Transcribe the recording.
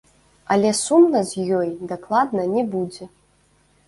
Але сумна з ёй дакладна не будзе!